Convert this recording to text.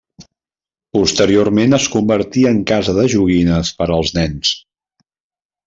Posteriorment es convertí en casa de joguines per als nens.